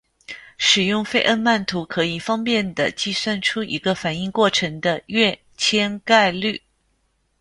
使用费恩曼图可以方便地计算出一个反应过程的跃迁概率。